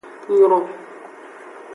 Nyron.